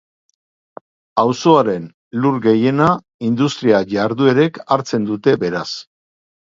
Auzoaren lur gehiena industria jarduerek hartzen dute beraz.